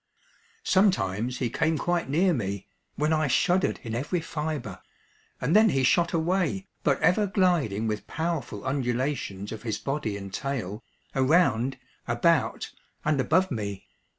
Sometimes he came quite near me, when I shuddered in every fiber, and then he shot away, but ever gliding with powerful undulations of his body and tail, around, about, and above me.